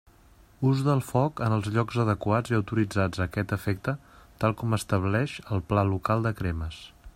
Ús del foc en els llocs adequats i autoritzats a aquest efecte, tal com estableix el Pla local de cremes.